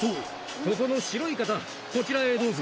そこの白い方、こちらへどうぞ。